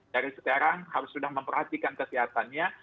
dari sekarang harus sudah memperhatikan kesehatannya